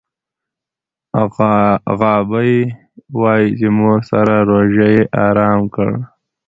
غابي وايي چې مور سره روژه یې ارام کړ.